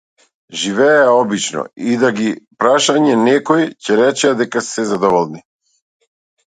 Живееја обично, и да ги прашање некој, ќе речеа дека се задоволни.